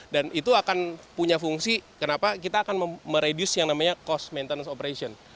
dan itu akan punya fungsi kenapa kita akan mereduce yang namanya cost maintenance operation